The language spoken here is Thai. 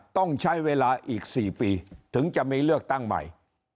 ต้องใช้เวลาอีก๔ปีถึงจะมีเลือกตั้งใหม่